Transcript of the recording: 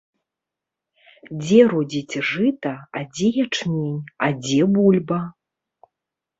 Дзе родзіць жыта, а дзе ячмень, а дзе бульба.